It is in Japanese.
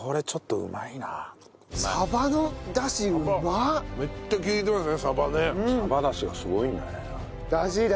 うまいね。